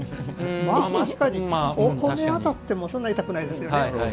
お米が当たってもそんなに痛くないですよね。